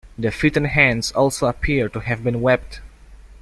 The feet and hands also appear to have been webbed.